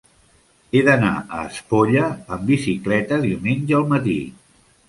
He d'anar a Espolla amb bicicleta diumenge al matí.